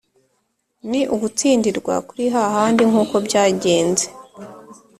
n ugutsindirwa kurihahandi nkuko byagenze